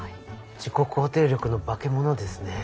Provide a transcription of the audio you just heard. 自己肯定力のバケモノですね。